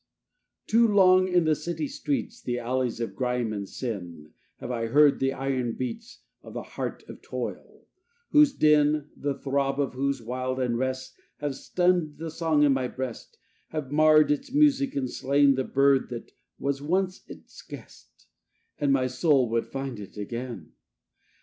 II Too long in the city streets, The alleys of grime and sin, Have I heard the iron beats Of the heart of toil; whose din, And the throb of whose wild unrest Have stunned the song in my breast, Have marred its music and slain The bird that was once its guest, And my soul would find it again.